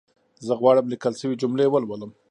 زه غواړم ليکل شوې جملي ولولم